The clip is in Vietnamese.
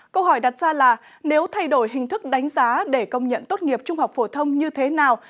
câu hỏi đặt ra là nếu thay đổi hình thức đánh giá để công nhận tốt nghiệp trung học phổ thông như thế nào